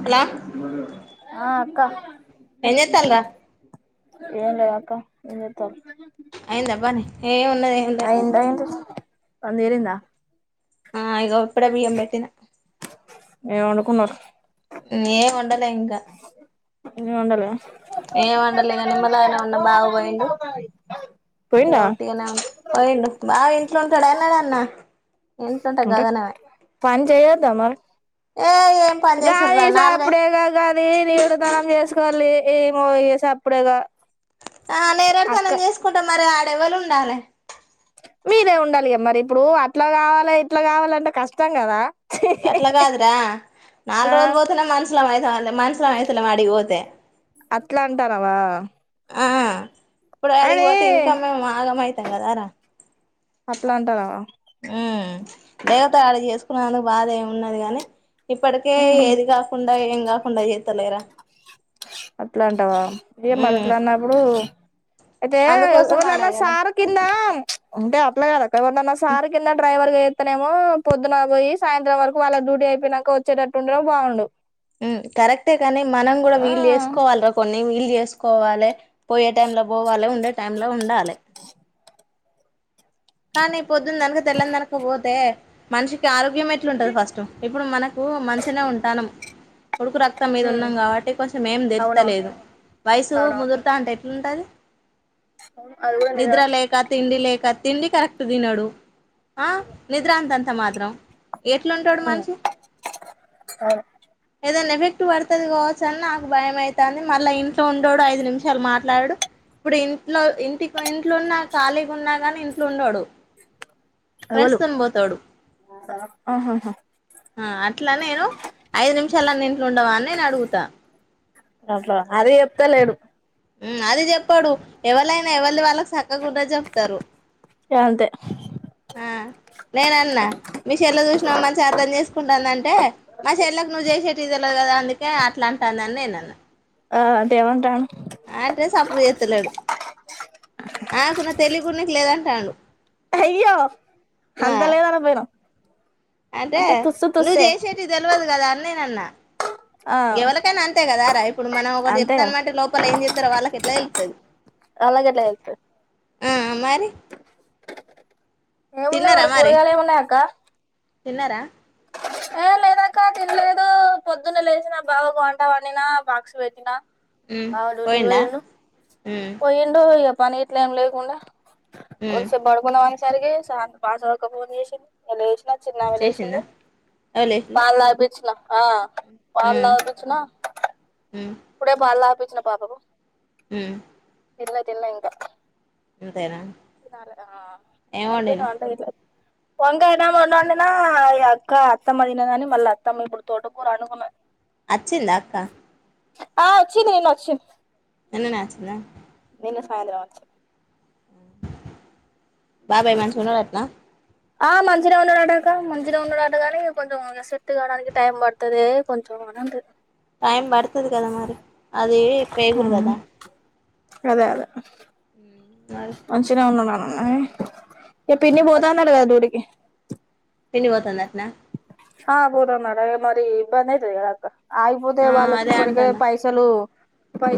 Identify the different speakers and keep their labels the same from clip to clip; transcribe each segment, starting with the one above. Speaker 1: Hello
Speaker 2: ఆ అక్క
Speaker 1: ఏం చేన్త్ స్థాన్నా
Speaker 2: ఏం లేదు అక్క ఏం చెత్త
Speaker 1: అయిందా పని. ఏం ఉన్నది ఏం లే
Speaker 2: అయిందా ఏంతి పనితీరిందా.
Speaker 1: ఆ ఇగో ఇప్పుడే బియ్యం పెట్టిన.
Speaker 2: ఏం వండుకున్నరు?
Speaker 1: లే ఇంక.
Speaker 2: ఏం వండలే.
Speaker 1: ఏంవండలేగాని నిమ్మలంగనే ఉన్నా బావ పోయిండు.
Speaker 2: పోయిండా
Speaker 1: ఒట్టిగనే వున్న, పోయిండు బావ ఇంట్లో ఉంటాడా ఎన్నడన్న.
Speaker 2: అంటే పని చేయొద్ద మరి?
Speaker 1: ఏ ఏం పని చేసుర్రా
Speaker 2: గాది
Speaker 1: నాలుగై
Speaker 2: సప్పుద్జేయగ గది కుడా తనం చేసుకోల్లి. ఏమో ఇగ సప్పుడెగా
Speaker 1: ఆ నేరడుతనం చేసుకుంటా మరి ఆ ఎవలుండాలే
Speaker 2: మీరే ఉండాలిగా మరి ఇప్పుడు అట్లా గావాలె ఇట్లా గావాలంటే కష్టం కదా.
Speaker 1: గట్లగాదురా నాల్
Speaker 2: ఆ
Speaker 1: రోజులు పోతనే మన్స్ మనుసులమ్ ఐతం అనలే, మనస్లమైతలేం ఆడికిబోతె.
Speaker 2: అట్లా అంటానవా.
Speaker 1: ఆ ఇప్పుడె ఆడికి
Speaker 2: అని
Speaker 1: పోతే ఇంకా మేం ఆగం అయితం కదార.
Speaker 2: అట్లా అంటనవ
Speaker 1: హ్మ్ దేవత ఆడికి చేసుకున్నందుకు బాదేమున్నది గాని. ఇప్పటికే
Speaker 2: ఉహు
Speaker 1: ఏది కాకుండా ఏం కాకుండా చే తలేరా
Speaker 2: అట్లా అంటావా ఏం మరి
Speaker 1: ఉమ్
Speaker 2: అట్లా అన్నప్పుడు ఐదే
Speaker 1: అందుకోసం అనే
Speaker 2: ఓళ్ళన్నా
Speaker 1: కదా
Speaker 2: సారు కింద అంటే అట్ల కాదా ఎవరినన్నా సారు కింద డ్రైవర్ ఏత్తేనేమో పొద్దున బొయ్యి సాయంత్రం వరకు వాళ్ళకు డ్యూటీ అయిపోయినాక వచ్చేటట్టు ఉండుడం బావుండు
Speaker 1: ఉమ్ కరెక్టే కానీ మనం గుడ వీలు జేస్కోవాల్ రా కొన్ని వీల్ జేస్కోవాలె పోయే టైం ల పోవాలె ఉండే టైం ల ఉండా లె కానీ పొద్దున్ననుగ తెల్లనిందనుకు పోతే మనిషికి ఆరు గ్యం ఎట్లుంటంది ఫస్ట్ ఇప్పుడు మనకు మంచిగనే ఉంటానం ఉడుకు రక్తం మీద
Speaker 2: ఉమ్
Speaker 1: ఉన్నాం కాబట్టి కొంచెం ఏం
Speaker 2: అవునవును
Speaker 1: దెర్తలేదు వయసు
Speaker 2: అవునవును
Speaker 1: ముదురుతా ఉంటే ఉంటది
Speaker 2: అది కూడా నిజమే
Speaker 1: నిద్రా లేఖ త ఇడి లేఖ తిండి కరెక్ట్ తినడు ఆ నిద్రా అంతంత మాత్రం ఎట్లుంటడు
Speaker 2: ఉమ్
Speaker 1: మనిషి
Speaker 2: అవును
Speaker 1: ఏదున్నా ఎఫెక్ట్ పడుతుది కావచ్చు అని నాకు భయం అవుతుంది మళ్ళీ ఇంట్లో ఉండోడు ఐదు నిమిషాలు మాట్లాడు ఇప్పుడు ఇంట్లో ఇంటి ఇంట్లోన్న ఖాీగ ఉన్నా కాని లుండడు ఫ్రెండ్స్
Speaker 2: ఎవలు
Speaker 1: తమ్ని పోతాడు
Speaker 2: ఆహాహా
Speaker 1: ఆ అట్లా నేను ఐదు నిమిషాలన్నింట్లో ఉండవా అని నేను అడుగుతా
Speaker 2: అట్లా అది చెప్తా లేడు
Speaker 1: అది చెప్పాడు ఎవలైనా ఎవరి వాళ్ళకి అక్కకుడా చెప్తారు
Speaker 2: అంతే
Speaker 1: నేనన్నా మీిషలో చూసినా మంచిగా అర్థం చేస్త కుంటుందంటే మా చెల్లకు నువ్వు జయశెట్టి ఇ తెలదు కదా అందుకే అట్లా అంటుందిని నేను అన్న
Speaker 2: వంటను
Speaker 1: అంటే సప్పుడు చేత్తలేడు ఆకు నా తెలియ గుడాకి లేదంట రను
Speaker 2: అయ్య అంత లేద అని పోయినా
Speaker 1: అంటే నువ్వు చేసేటి తెలియదు కదా అన్న అేనన్న
Speaker 2: ఆ
Speaker 1: ఎవరికైనా అంతే కదాార ఇప్పుడు మనం ఒకరు
Speaker 2: అంతే
Speaker 1: చెప్తా
Speaker 2: కదా
Speaker 1: అనమాటే లోపల ఏం చెప్తారో వాళ్ళకి ఎట్లా వెళ్తుంది
Speaker 2: అలాగట్లా చెప్తారు
Speaker 1: సరి
Speaker 2: ఏమున్నాయి మరి కూరగాయలు ఏమిన్నాయ అక్క
Speaker 1: తిన్నారా
Speaker 2: ఏ లేదాక్క తినలేదు పొద్దున్నే లేసినా బావకు వంట వండినా బాక్స్ పెట్టినా
Speaker 1: ఉమ్
Speaker 2: బవ
Speaker 1: పోయిండా
Speaker 2: టీవను
Speaker 1: ఉమ్
Speaker 2: పో ఎంట పని ఇట్లే ఏం లేకుండా రు
Speaker 1: ఉమ్
Speaker 2: స బడగున మ సరిగ సాంత పాస ఫోన్ చేస ఎలా చిన్న వెలుసింది
Speaker 1: చేసిందా ఎవలు చేసిల్లు
Speaker 2: పాల బీచిన ఆ పాలు
Speaker 1: ఉమ్
Speaker 2: తాగిపిచినా ఇప్పుడే పాలు తాగి పిచ్చిన పాపకు
Speaker 1: ఊ
Speaker 2: తిన్లా తిన్లా ఇంకా తినాల ఆ
Speaker 1: ఏం
Speaker 2: అయితే
Speaker 1: వండినవ్
Speaker 2: దాంతో ఎట్లా వంకాయ అన్నం వండినా ఈ అక్క అత్తమ్మ తినదని మళ్ళ అత్తమ్మ ఇప్పుడు తోట కూర అనుకున్నా
Speaker 1: అచ్చిందా అక్క
Speaker 2: ఆ వచ్చింది నిన్న వచ్చింది
Speaker 1: నిన్ననే అచ్చిందా
Speaker 2: ఆందిరా ఉచ్
Speaker 1: బాబాయి మంచిగ ఉన్నారంటనా
Speaker 2: ఆ మంచినే ఉన్నాడంటక మంచినే ఉన్నాడంట గానీ కొంచెం సెట్ కావడానికి టైం పడుతది కొంచెం అని అంతే
Speaker 1: టైం పడుతది కదా మరి అదీ పేగురు కదా
Speaker 2: అదే అదే
Speaker 1: మరి
Speaker 2: మంచినే ఉన్నాన్నాన్న ఐ మీ పిన్ని పోతాన్నడగా డూటీకి
Speaker 1: పన్ని పోతుందట్నా
Speaker 2: ఆ పోతాందంట మరి ఇబ్బంది అయితది గదా అక్క ఆగిపోతే
Speaker 1: ఆ
Speaker 2: వాళ్ళకి
Speaker 1: అదే
Speaker 2: ఇప్పడికే
Speaker 1: అంటానా
Speaker 2: పైసలు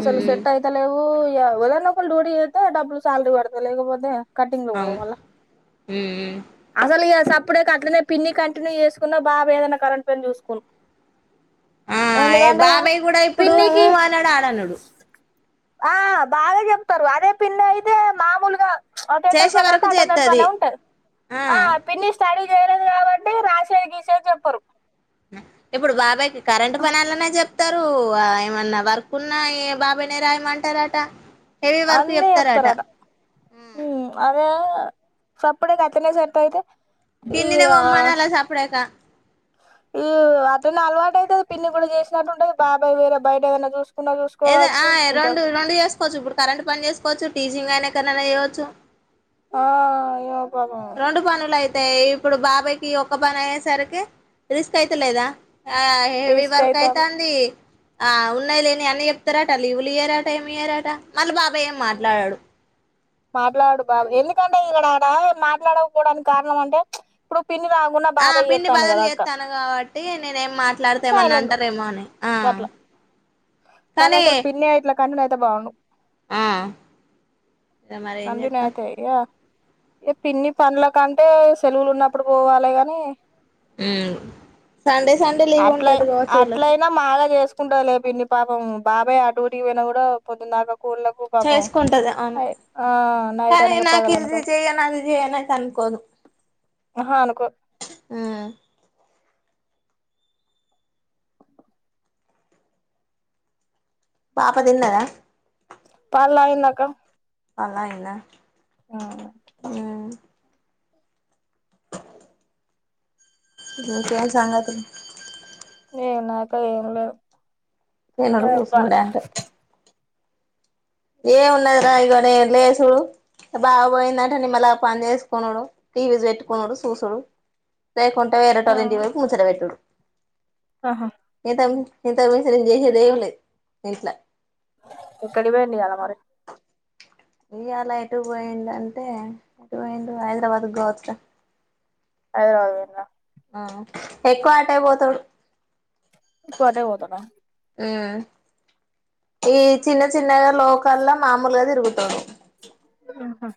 Speaker 1: హ్మ్ హ్మ్
Speaker 2: సెట్ అయితలేవు ఎవరన్న ఒకళ్ళు డ్యూటీ చేత్తే డబ్బులు శాలరీ పడతది లేకపోతే కటింగ్ లో పో
Speaker 1: అవును
Speaker 2: మల్ల
Speaker 1: హ్మ్ హ్మ్
Speaker 2: అసలు ఇయ్యర్ సార్ అప్పుడే అట్నే పిన్ని కంటిన్యూ ఏసు చిన్నా బాబు ఏదన్న కరెంట్ పని చూసుకున్
Speaker 1: ఆయ్ బాబాయ్ కూడా ఇప్పుడు ఊ
Speaker 2: పిన్నికి
Speaker 1: అనడు ఆ అనడు
Speaker 2: ఆ బాగా చెప్తారు అదే పిన్న అయితే మామూలుగా అటెండర్
Speaker 1: చేసే
Speaker 2: పని అంటే
Speaker 1: వరకు
Speaker 2: అటెండర్
Speaker 1: చేత్తది
Speaker 2: పనే ఉంటది ఆ పిన్నీ స్టడీ తెగిసే జప్పరు
Speaker 1: ఉ ఇప్పుడు బాబాయి కి కరెంట్ పనన్ననే జెప్ ఇస్తరు ఏమన్నా వర్కు ఉన్న ఏ బాబాయనేే రాయిమంటారంట
Speaker 2: అన్నీ చెప్తారంట హూ అదే సప్పుడిక అట్లనే సర్తయితే
Speaker 1: పిన్నినే పోమ్మనాల సపిడక
Speaker 2: ఈ అటనే అలవాటు అయితది పిన్ని కూడా చేసినట్టు ఉంటంది బాబాయ్ వేరే బయట ఏదైనా చూసు
Speaker 1: ఏదో ఆయ్ రెండు రెండు చేసుకోవచ్చు ఇప్పుడు కరెంట్ పని చేసుకోవచ్చు టీచింగ్ అయినా కన్నా చేయవచ్చు
Speaker 2: ఆ యో
Speaker 1: రెండు పనులయి అయితే ఇప్పుడు బాబాయ్కి ఒక్క పని అయ్యేసరికి రిస్క్ అయితలేదా ఆ హెవి
Speaker 2: రిస్క్
Speaker 1: వర్క్ అయిత
Speaker 2: అయితాంది
Speaker 1: అంది ఆ ఉన్నాయి లేని అన్ని చెప్తారాట లీవులు ఇయ్యారట ఏమి ఇయ్యరాట మళ్ళీ బా ఏం
Speaker 2: ఉమ్
Speaker 1: మాట్లాడాడు
Speaker 2: మాట్లాడు బాబు ఎందుకంటే ఇలాడాడా మాట్లాడకపోవడానికి కారణం అంటే ఇప్పుడు పి రాాకున్న బాబాయి ఎత్తాను కదా అక్క
Speaker 1: అే మాట్లాడతేమని
Speaker 2: సైలెంట్
Speaker 1: అంటారేమో అని ఆ
Speaker 2: అట్లా
Speaker 1: కానీ
Speaker 2: కన్న అయితే బావును
Speaker 1: ఆ మరి ఏం
Speaker 2: అజ
Speaker 1: చేస్తాం
Speaker 2: నాయతే యా పిన్ని పండ్ల కంటే సెలవులు ఉన్నప్పుడు పోవాలి కాని
Speaker 1: అ సండే సండే లీవ్ ఉంటది కాసూళ్ళకి
Speaker 2: కుంట లే పిన్ని పాపం బాబయ్ ఆ ూరికి పోయినా కూడా పొద్దునక
Speaker 1: చేసుకుంటది అవును
Speaker 2: ఆ నైట్
Speaker 1: కానీ
Speaker 2: అనక
Speaker 1: నాకు
Speaker 2: పగలనక
Speaker 1: ఇది చేయను అది చేయను అనుకోదు
Speaker 2: ఆహా అనుకో
Speaker 1: పాప తిన్నదా
Speaker 2: పళ్లా అందక
Speaker 1: అలాయిన్న ఆ క సా త
Speaker 2: ఏం నాక ఏం లేవ్
Speaker 1: తినుడు కూూసునుడు యాంటో ఏమున్నదిరా ఇగో నేన్ లేస్ బాగా పోయిందంటే నిమ్మల పని చేసుకునుడు టీవీ పెట్టుకున్నాడు సూసుడు లేకుంటే వేరేటోలింటికిపోయి కూచ్ఛొడ బెట్టుడు
Speaker 2: ఆహా
Speaker 1: ఏ తంబి ఇంతకు మించి నేను చేసేదేంలే ఇంట్లా
Speaker 2: ఇక్కడిబోయింది కదా మరి
Speaker 1: ఈయాలా ఎటు పోయిండు అంటే ఎటు పోయిండు హైదరాబాద్ గావోచ్ఛుర
Speaker 2: హైదరాబాద్ పోయిండ
Speaker 1: ఎక్కువ అటేపోతాడు
Speaker 2: కొటె పోతన్నా
Speaker 1: మ్మ్ ఈ చిన్న చిన్నగ లోక్ మల్ల మామూలగా తిరుగుతడు
Speaker 2: ఆహా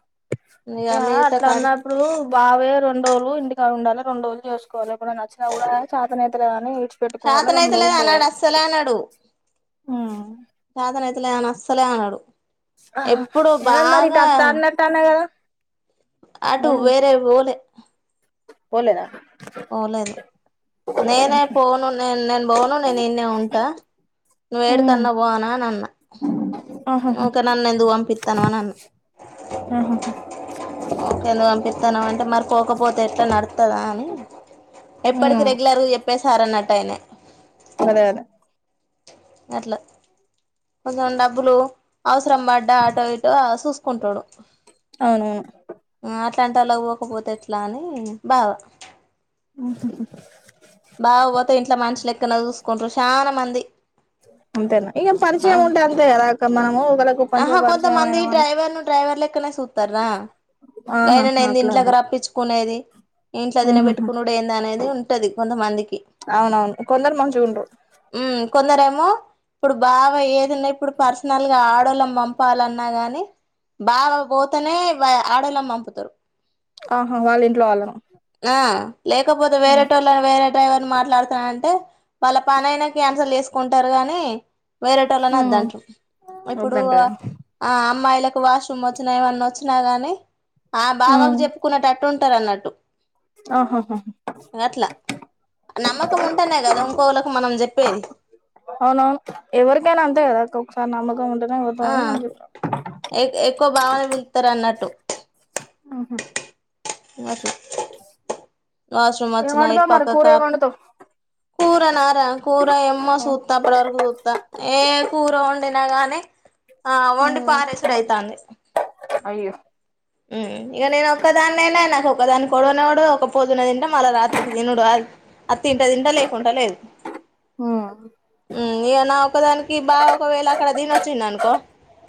Speaker 2: యా
Speaker 1: మిగతా కాడి
Speaker 2: అట్లనపుడు బావేరు రెండోలు ఇంటికాడ ఉండాలే రెండోలు చేసుకోవాలే ఎప్పుడన్నా వచ్చిన కూడ చేతనైతలే అని
Speaker 1: చతనైతలేదు అనడు అస్సలనడు చతనైతే తలే అని అస్సలే అనడు
Speaker 2: ఎమైంది మరి ఇటు అత్తా అన్నట్టన్నే కదా
Speaker 1: అటు
Speaker 2: ములుగు
Speaker 1: వేరే వోలే
Speaker 2: పోలేదా
Speaker 1: పోలేదు నేనే పోను నే నేన్ పోను నేను ఈడ్నే ఉంటా
Speaker 2: ఉమ్
Speaker 1: నువ్వేడికన్న పో అనన్నా
Speaker 2: ఆహాహా
Speaker 1: ఓకే నన్నేందుకు పంపిత్తన్నావ్ అని అన్న
Speaker 2: ఆహాహా
Speaker 1: ఒకేలా పంపిత్తనావంటే మరి పోకపోతే ఎట్ల నడుత్తదా అని ఎప్పటికీ
Speaker 2: ఉమ్
Speaker 1: రెగ్యులర్గా చెప్పేసారన్నట్టు టైనే
Speaker 2: వెలగలే
Speaker 1: అట్లా కొంచెం డబ్బులు అవసరం బడ్డా అటో సూసుకుంటడు
Speaker 2: అవునవును
Speaker 1: ఆ అట్లాంటోళ్లకు పోకపోతే ఎట్లా అని బావా బావ పోతే ఇంట్లో మనిషి లె క్కన సూసుకుంట్రు చానా మంది
Speaker 2: అంతేనా ఏం పరిచయం ఉంటే అంతేకదా అక్కడ మనము ఒకలకు మంచిగా
Speaker 1: ఆహా
Speaker 2: పరిచయం
Speaker 1: కొంతమంది
Speaker 2: అయినాం అంటే
Speaker 1: డ్రైవర్ ను డ్రైవర్ లెక్కనే చూస్తారా అయిన
Speaker 2: ఆహాహా
Speaker 1: నేను
Speaker 2: అట్లాంటా
Speaker 1: దీంట్లోకి రప్పించుకోలేదే ఇంట్లో
Speaker 2: ఉహుహు
Speaker 1: తినబెట్టుకుండు అనేది ఉంటది ఉంటది కొంతమందికి
Speaker 2: అవునవును కొందరు మంచిగుంటరు
Speaker 1: ఊ కొందరేమ ఇప్పుడు బావ ఏదున్న ఇప్పుడు పర్సనల్గా ఆడ్డూ ఆడోళ్ళను పంపాలన్నా గాని బావ పోతేనే ఆడోళ్ళను పంపుతారు
Speaker 2: ఆహా వాళ్ళ ఇంట్లో వాళ్ళను
Speaker 1: ఆ లేకపోతే వేరేటోళ్ళ వేరే డ్రైవర్ మాట్లాడుతానంటే వాళ్ళ పనైనా క్యాన్సల్ చేసుకుంటారు గాని వేరేటోళ్లను
Speaker 2: ఉమ్
Speaker 1: వద్దంటరు ఏప్పుడు
Speaker 2: వద్దంటాడా
Speaker 1: ఆ అమ్మాయిలకు వాష్రూమ్ వచ్చినా ఏమన్న వచ్చినా గాని ఆ ఆ బావకు చెప్పుకున్నట్లయితే పట్టు ఉంటారు అన్నట్టు
Speaker 2: ఆహహ
Speaker 1: అట్లా నమ్మకం ఉంటేనే కదా ఇంకోళ్ళకు మనం చెప్పేది
Speaker 2: అవునువును ఎవరికనా అంత కదాసార్ నామ [inaudible] అంట నత
Speaker 1: ఆ
Speaker 2: న
Speaker 1: ఎ ఎక్కువ భావన వెళ్తారు అన్నట్టు
Speaker 2: ఆహా
Speaker 1: వ స చె వాష్్రూమ్
Speaker 2: ఏం
Speaker 1: వచ్చనయిట్
Speaker 2: వండుతావ్ మరి
Speaker 1: పక
Speaker 2: కూర ఏం
Speaker 1: కాపు
Speaker 2: వండుతావ్
Speaker 1: కూరనా కూర ఎమ్మ సూతా అప్పుడువరకు సూతా ఏ కూర ఉ నాగానే ఆ
Speaker 2: ఉమ్
Speaker 1: వండిపోారసుడ అయితుంది
Speaker 2: అయ్యో
Speaker 1: ఇక నేను ఒక్కదాన్నేనా నాకు ఒక్క దాని కొడనేడు ఒక పోదున్న తింటే మళ్ళ రాత్రికి తినుడు అది తింట తింటా లేకుండా లేదు
Speaker 2: ఉమ్
Speaker 1: ఇకనా ఒకదానికి బాగా ఒకవేళ అక్కడ తినిొచ్చింది అనుకో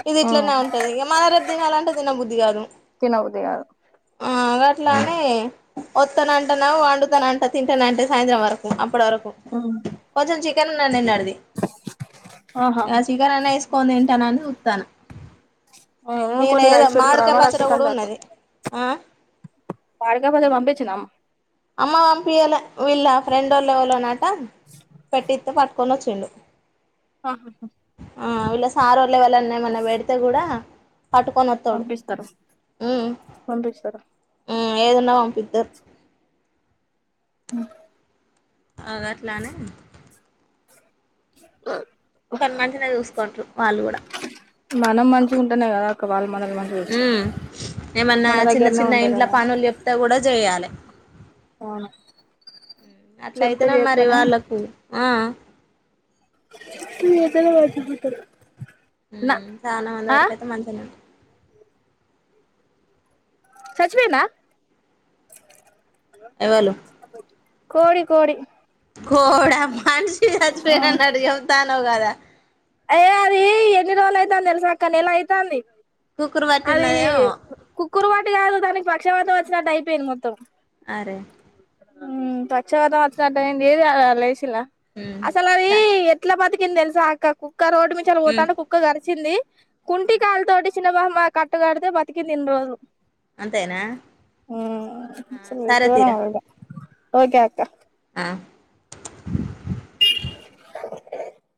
Speaker 1: ఇది
Speaker 2: ఉమ్
Speaker 1: ఇట్లనే ఉంటుంది ఇంక మనరెపు తినాలంటే తిన బుద్ధది కాదు
Speaker 2: తినవుదారు
Speaker 1: మాగట్లానే వత్తన అంటను వండుతన అంట తింటాన అంటే సాయంత్రం వరకు అప్పటి వరకు
Speaker 2: ఉమ్
Speaker 1: పజంచి క నడు ఇ
Speaker 2: ఆహాహా
Speaker 1: చికెన్ అనా వేసుకని ఏంటన అని చూస్తాను
Speaker 2: ఏమో
Speaker 1: నేను
Speaker 2: కొన్ని
Speaker 1: ఏదో
Speaker 2: రైస్ పెట్టుకొని
Speaker 1: మామిడికాయ
Speaker 2: రావ రాజ్
Speaker 1: పచ్చడి కూడా ఉన్నది ఆ
Speaker 2: మాడికాయ పచ్చడి పంపించినాం
Speaker 1: అమ్మ పంపియాల వీళ్ళ ఫ్రెండ్ళ్ళు ఎవళ్ళో నాక్ టం పెట్టిత్తే పట్ కొని వచ్చిండు
Speaker 2: ఆహా
Speaker 1: ఆ వీళ్ళ సారుోళ్ళు ఎవళన్నా ఏమన్నా పెడితే కూడా పట్టుకొని వత్తాడు
Speaker 2: పంపిస్తారు
Speaker 1: మ్మ్
Speaker 2: పంపిస్తారు
Speaker 1: మ్ హు ఏదన్నా వాంపితర్
Speaker 2: ఆ
Speaker 1: అగాట్లానే
Speaker 2: ఆ
Speaker 1: తనూ మంచి నే చూసుకుంటారు వాళ్ళు కూడా
Speaker 2: మనం మంచిగా ఉంటనే కదా అక్క వాళ్
Speaker 1: మ్మ్ ఏమన్నా
Speaker 2: మన
Speaker 1: చిన్న
Speaker 2: దగ్గరనే
Speaker 1: చిన్న
Speaker 2: ఉంటది
Speaker 1: ఇంట్ల
Speaker 2: కదా
Speaker 1: పనులు చెప్తే కూడా చేయాలి
Speaker 2: అవును చెప్తే
Speaker 1: అట్లయితేనే మరి
Speaker 2: చేత్తనే
Speaker 1: వాళ్ళకు ఆ
Speaker 2: ఈ ఎండల మంచి గా చూస్తరు
Speaker 1: హు చానా మంది వరకు అయితే మంచిగనే
Speaker 2: చచ్చిపోయిండా
Speaker 1: ఎవలు
Speaker 2: కోడి కోడి
Speaker 1: కోడి హ మనిషి చచ్చిపోయిననలట్టు చెప్తానవ్ కదా
Speaker 2: అయ్యో అది ఎన్ని రోజులు అయితాంది తెలుసా అక్క నెల అయితాంది
Speaker 1: కుక్కురు పట్టి
Speaker 2: అది
Speaker 1: ఉన్నదేమో
Speaker 2: కుక్కురు బట్టి కాదు దానికి పా పక్షవాతం వచ్చినట్టు అయిపోయింది మొత్తం
Speaker 1: అరే
Speaker 2: హుమ్ పక్షవాతం వచ్చినట్టు అయ్యింది ఏది అల్లేసిల్లా
Speaker 1: ఉమ్
Speaker 2: అసలు అది
Speaker 1: స
Speaker 2: ఎట్లా బతికిం కింది తెలుసా అక్క కు కుక్క రోడ్డు
Speaker 1: ఉమ్
Speaker 2: మించిపోతాంట కుక్క కరిసి వచ్చింది కుంటి కాలు తోటి చిన్న బామ్మ కట్టు కడితే బతికింది ఇన్ని రోజులు
Speaker 1: అంతేనా
Speaker 2: హు
Speaker 1: ఆ
Speaker 2: అసలు
Speaker 1: సరే
Speaker 2: ఘోరం
Speaker 1: తీరా
Speaker 2: అది కూడా ఓకే అక్క
Speaker 1: ఆ